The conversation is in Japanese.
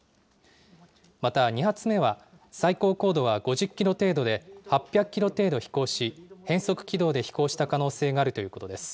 また２発目は最高高度は５０キロ程度で、８００キロ程度飛行し、変則軌道で飛行した可能性があるということです。